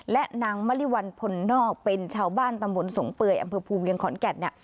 และนางมริวัลพลนอกเป็นชาวบ้านตำบลสงเปื่อยอำเภอภูเวียงขอนแก่น